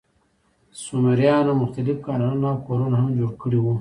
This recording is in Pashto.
سومریانو مختلف کانالونه او کورونه هم جوړ کړي وو.